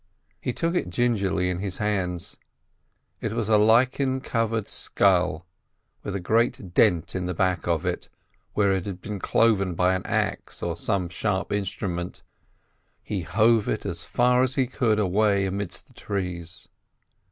He took it gingerly in his hands; it was a lichen covered skull, with a great dent in the back of it where it had been cloven by an axe or some sharp instrument. He hove it as far as he could away amidst the trees.